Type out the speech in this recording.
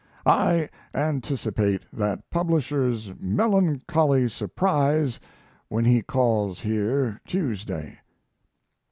I anticipate that publisher's melancholy surprise when he calls here Tuesday.